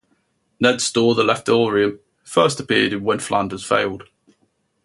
Ned's store "The Leftorium" first appeared in "When Flanders Failed".